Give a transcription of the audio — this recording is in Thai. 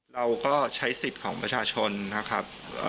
เราก็ใช้สิทธิ์ของประชาชนนะครับ